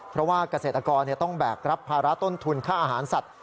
เพราะว่าเกษตรกรต้องแบกรับภาระต้นทุนค่าอาหารสัตว